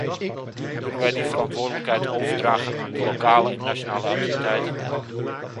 Kunnen wij de verantwoordelijkheid overdragen aan de lokale en nationale autoriteiten?